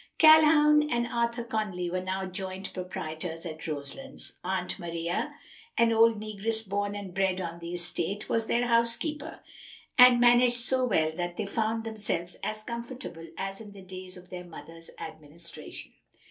Calhoun and Arthur Conly were now joint proprietors at Roselands. "Aunt Maria," an old negress born and bred on the estate, was their housekeeper, and managed so well that they found themselves as comfortable as in the days of their mother's administration.